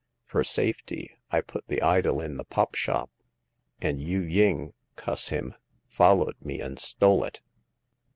Fur safety, I put the idol in the pop shop, and Yu ying— cuss him — followed me and stole it.